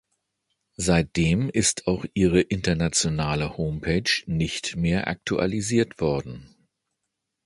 Seitdem ist auch ihre internationale Homepage nicht mehr aktualisiert worden.